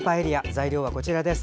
材料はこちらです。